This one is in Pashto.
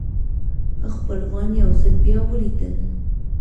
خپلوان یو ځل بیا ولیدل.